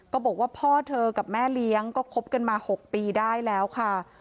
บอกว่าพ่อเธอกับแม่เลี้ยงก็คบกันมา๖ปีได้แล้วค่ะ